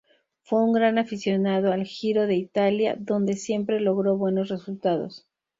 Fue un gran aficionado al Giro de Italia, donde siempre logró buenos resultados.